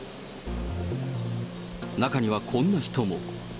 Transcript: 中にはこんな人も。